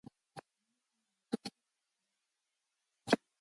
Тэнэмэл хүн өрөвдүүлэхийг л хүснэ ээ.